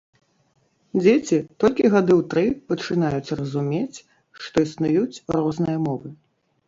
Дзеці толькі гады ў тры пачынаюць разумець, што існуюць розныя мовы.